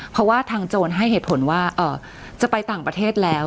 เพราะว่าทางโจรให้เหตุผลว่าจะไปต่างประเทศแล้ว